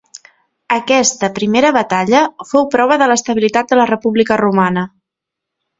Aquesta primera batalla fou prova de l'estabilitat de la república romana.